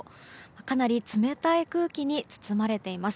かなり冷たい空気に包まれています。